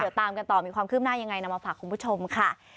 เดี๋ยวตามกันต่อมีความคืบหน้ายังไงนำมาฝากคุณผู้ชมค่ะ